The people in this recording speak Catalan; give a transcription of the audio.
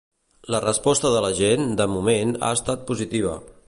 La resposta de la gent, de moment, ha sigut positiva.